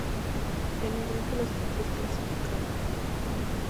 En negrita los equipos clasificados.